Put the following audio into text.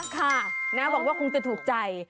ค่ะนะบอกว่าคงจะถูกใจ